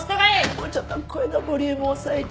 もうちょっと声のボリューム抑えて。